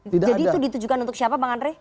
jadi itu ditujukan untuk siapa bang andre